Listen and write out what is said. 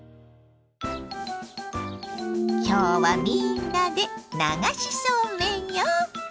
今日はみんなで流しそうめんよ！